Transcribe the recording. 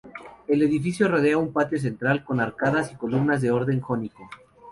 El edificio rodea un patio central con arcadas y columnas de orden jónico.